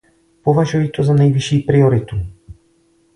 Považuji to za nejvyšší prioritu.